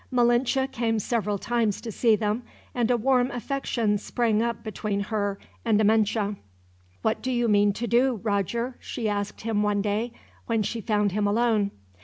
Malinche came several times to see them, and a warm affection sprang up between her and Amenche. "What do you mean to do, Roger?" she asked him one day, when she found him alone.